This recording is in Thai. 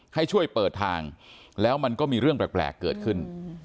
ให้ช่วยเปิดทางแล้วมันก็มีเรื่องแปลกเกิดขึ้น